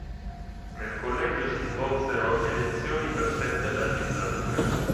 Nel collegio si svolsero elezioni per sette legislature.